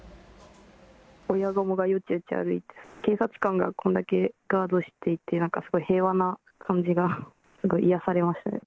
親ガモがよちよち歩いて、警察官がこんだけガードしていて、なんかすごい平和な感じが、癒やされましたね。